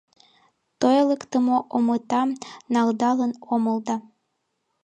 Тойлыктымо омытам налдалын омыл да